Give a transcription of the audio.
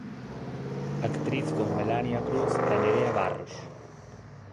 Actriz con Melania Cruz e Nerea Barros.